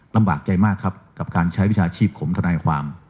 ลำบากใจมากครับกับการใช้วิชาชีพของทนายความ